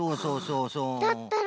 だったら！